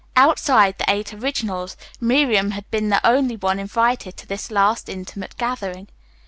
Outside the "Eight Originals," Miriam had been the only one invited to this last intimate gathering.